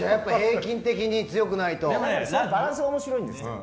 そのバランスが面白いんですよね。